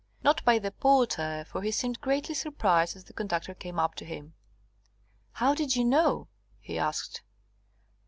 Not by the porter, for he seemed greatly surprised as the conductor came up to him. "How did you know?" he asked.